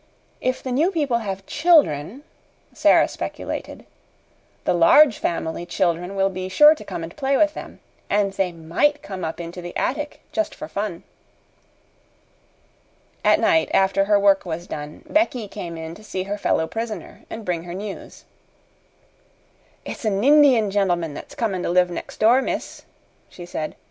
"If the new people have children," Sara speculated, "the Large Family children will be sure to come and play with them, and they MIGHT come up into the attic just for fun." At night, after her work was done, Becky came in to see her fellow prisoner and bring her news. "It's a' Nindian gentleman that's comin' to live next door, miss," she said.